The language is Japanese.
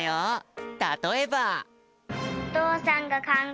たとえば。